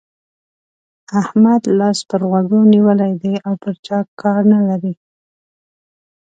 احمد لاس پر غوږو نيولی دی او پر چا کار نه لري.